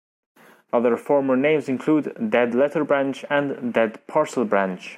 Other former names include "dead letter branch" and "dead parcel branch".